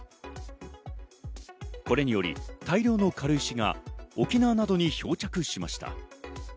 これにより大量の軽石が沖縄などに漂着しました。